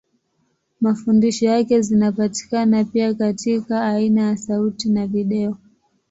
Mafundisho yake zinapatikana pia katika aina ya sauti na video.